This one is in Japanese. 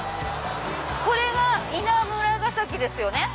これが稲村ヶ崎ですよね。